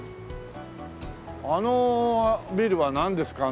あのビルはなんですか？